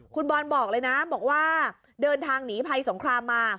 คุณบอลบอกเลยนะบอกว่าเดินทางหนีภัยสงครามมา